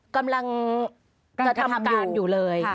กำลังกระทำการอยู่เลย